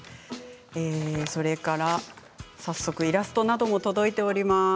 それから早速イラストなども届いております。